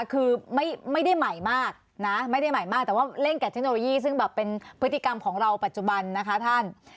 คือไม่ได้ใหม่มากแต่เล่นแก่เทคโนโลยีซึ่งเป็นพฤติกรรมของเราปัจจุบันนะคะท่าน